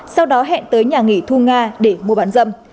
sau đó hẹn tới nhà nghỉ thu nga để mua bán dâm